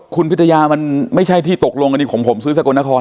คุณพิทยามันไม่ใช่ที่ตกลงอันนี้ของผมซื้อสกลนคร